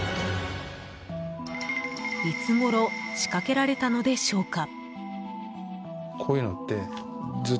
いつごろ仕掛けられたのでしょうか。